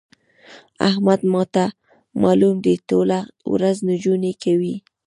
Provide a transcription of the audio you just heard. احمد ما ته مالوم دی؛ ټوله ورځ نجونې کوي.